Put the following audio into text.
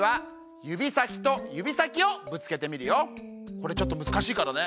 これちょっとむずかしいからね。